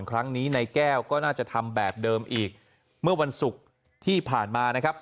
ครั้งนี้นายแก้วก็น่าจะทำแบบเดิมอีกเมื่อวันศุกร์ที่ผ่านมานะครับ